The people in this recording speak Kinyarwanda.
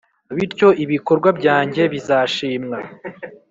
Bityo ibikorwa byanjye bizashimwa,